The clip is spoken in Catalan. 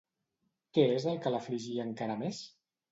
Què és el que l'afligia encara més?